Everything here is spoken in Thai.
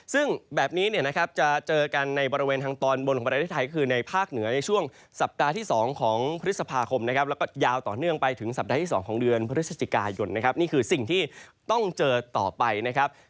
ซึ่งแบบนี้เนี่ยนะครับจะเจอกันในบริเวณทางตอนบนของประเทศไทยคือในภาคเหนือในช่วงสัปดาห์ที่๒ของพฤษภาคมนะครับแล้วก็ยาวต่อเนื่องไปถึงสัปดาห์ที่๒ของเดือนพฤศจิกายนนะครับนี่คือสิ่งที่ต้องเจอต่อไปนะครับ